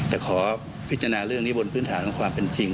แต่ขอพิจารณาเรื่องนี้บนพื้นฐานของความเป็นจริง